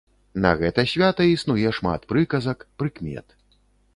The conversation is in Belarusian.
На гэта свята існуе шмат прыказак, прыкмет.